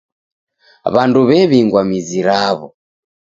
W'andu w'ew'ingwa mizi raw'o.